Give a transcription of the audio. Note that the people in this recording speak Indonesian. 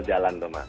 jalan tuh mas